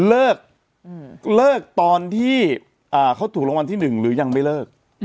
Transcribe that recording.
เลิกเลิกตอนที่เขาถูกรางวัลที่๑หรือยังไม่เลิก